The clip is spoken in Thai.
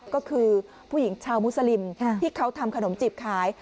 ก็คือผู้หญิงชาวมุสลิมที่เขาทำขนมจีบขาย